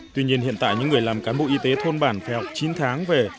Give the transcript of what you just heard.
tuy nhiên hiện tại những người làm cán bộ y tế thôn bản phèo chín tháng về